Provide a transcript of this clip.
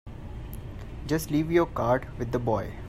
Just leave your card with the boy.